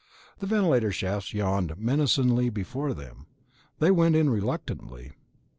The ventilator shafts yawned menacingly before them; they went in reluctantly.